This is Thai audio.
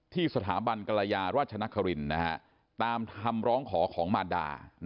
ที่สถาบันกรยาราชนครินตามคำร้องขอของมารดา